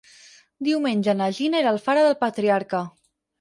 Diumenge na Gina irà a Alfara del Patriarca.